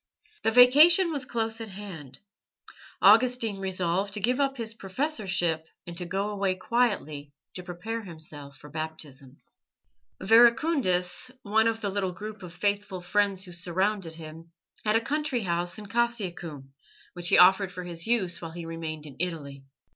The vacation was close at hand. Augustine resolved to give up his professorship and to go away quietly to prepare himself for Baptism. Verecundus, one of the little group of faithful friends who surrounded him, had a country house in Cassiacum, which he offered for his use while he remained in Italy.